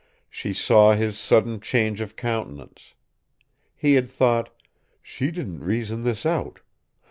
She saw his sudden change of countenance. He had thought: "She didn't reason this out.